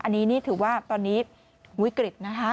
อันนี้นี่ถือว่าตอนนี้วิกฤตนะคะ